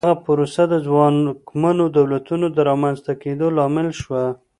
دغه پروسه د ځواکمنو دولتونو د رامنځته کېدو لامل شوه.